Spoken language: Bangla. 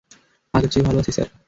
আগের চেয়ে ভালো আছি, স্যার।